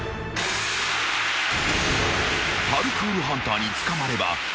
［パルクールハンターに捕まれば失格］